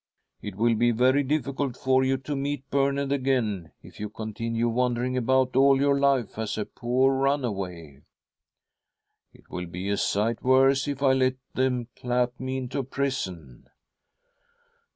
' It will be very difficult for you to meet Bernard again if you continue wandering about all your life as a poor runaway !' 'It will be a sight worse if I let them clap me into prison.'